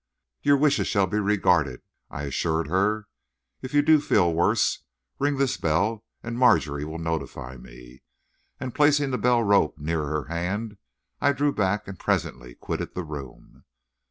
"Your wishes shall be regarded," I assured her. "If you do feel worse, ring this bell and Margery will notify me." And placing the bell rope near her hand, I drew back and presently quitted the room.